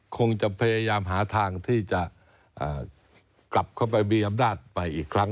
คงจะพยายามหาทางที่จะกลับเข้าไปมีอำนาจไปอีกครั้ง